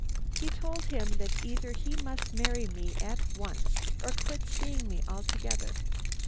He told him that either he must marry me at once or quit seeing me altogether.